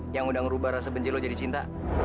yang udah ngerubah rasa benci lo jadi cinta